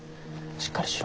しっかりしろ。